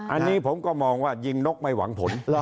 อันนี้ผมก็มองว่ายิงนกไม่หวังผล